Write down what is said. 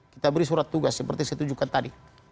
kita beri surat tugas seperti saya tunjukkan tadi